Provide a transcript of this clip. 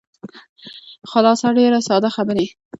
خلاصه ډېرې ساده خبرې.